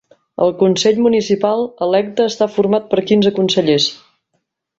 El consell municipal electe està format per quinze consellers.